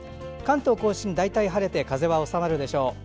関東・甲信、大体晴れて風は収まるでしょう。